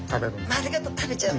丸ごと食べちゃう。